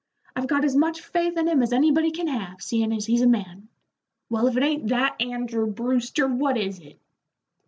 I've got as much faith in him as anybody can have, seein' as he's a man. Well, if it ain't that, Andrew Brewster, what is it?"